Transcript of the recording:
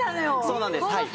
そうなんですはい。